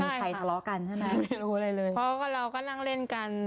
มีใครทะเลาะกันใช่ไหมไม่รู้อะไรเลยเพราะว่าเราก็นั่งเล่นกัน